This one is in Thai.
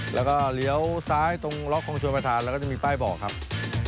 แล้วก็เลี้ยวซ้ายตรงล็อกของชนประธานแล้วก็จะมีป้ายบอกครับ